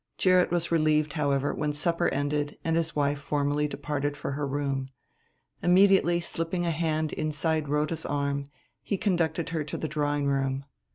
Gerrit was relieved, however, when supper ended and his wife formally departed for her room. Immediately slipping a hand inside Rhoda's arm he conducted her to the drawing room.